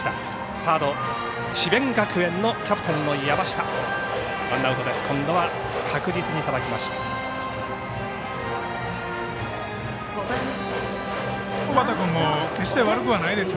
サード、智弁学園のキャプテン山下、ワンアウトです。